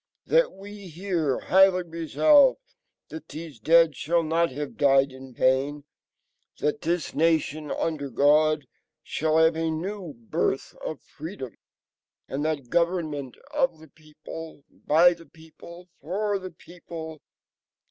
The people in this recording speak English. .. that we here highly resolve that these dead shall not have died in vain. .. that this nation, under God, shall have a new birth of freedom. .. and that government of the people. . .by the people. . .for the people.